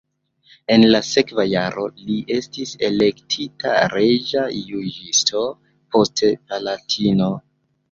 En la sekva jaro li estis elektita reĝa juĝisto, poste palatino.